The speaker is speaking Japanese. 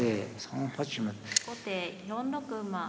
後手４六馬。